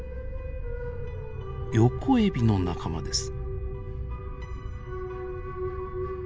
ヨコエビの仲間です。